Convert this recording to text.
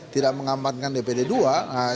tidak mengamankan dpd ii